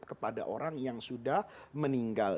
kepada orang yang sudah meninggal